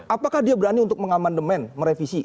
apakah dia berani untuk mengamandemen merevisi